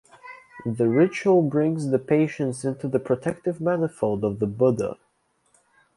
The ritual brings the patients into the protective manifold of the Buddha.